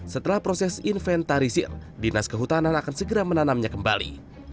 setelah proses inventarisir dinas kehutanan akan segera menanamnya kembali